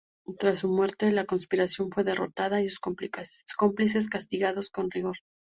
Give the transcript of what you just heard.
Tras su muerte, la conspiración fue derrotada y sus cómplices castigados con rigor.